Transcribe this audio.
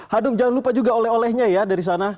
hanum jangan lupa juga oleh olehnya ya dari sana